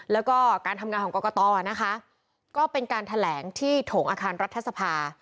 แล้วก็การทำงานของกรกตนะคะก็เป็นการแถลงที่โถงอาคารรัฐสภา